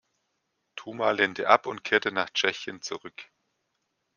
Tuma lehnte ab und kehrte nach Tschechien zurück.